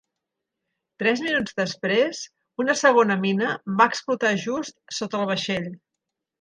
Tres minuts després, una segona mina va explotar just sota el vaixell.